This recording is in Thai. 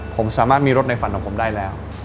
ผมสามารถมีรถในฝันของผมได้แล้ว